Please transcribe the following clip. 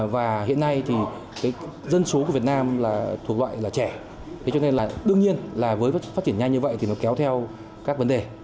và hiện nay thì cái dân số của việt nam là thuộc loại là trẻ thế cho nên là đương nhiên là với phát triển nhanh như vậy thì nó kéo theo các vấn đề